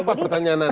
apa pertanyaan saya